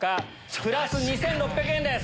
プラス２６００円です。